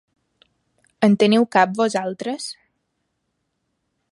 En teniu cap vosaltres?